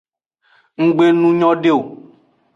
Nggbe nu nyode o.